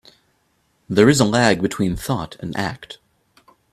There is a lag between thought and act.